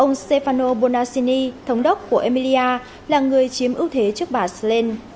ông stefano bonassini thống đốc của emilia là người chiếm ước thế trước bà slane